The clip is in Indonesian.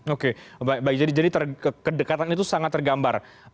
oke baik jadi kedekatan itu sangat tergambar